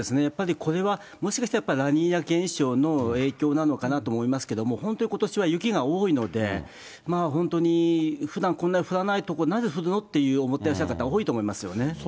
やっぱりこれは、もしかしたらやっぱりラニーニャ現象の影響なのかなと思いますけれども、本当にことしは雪が多いので、本当にふだんこんなに降らない所で、なぜ降るのって思ってらっしゃる方、多いと思いますよね。